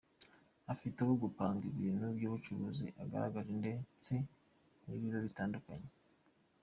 Ifite aho gupanga ibintu by’ubucuruzi igaraje ndetse n’ibiro bitandukanye.